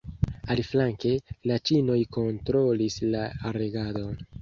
Aliflanke, la ĉinoj kontrolis la regadon.